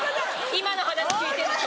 今の話聞いてると。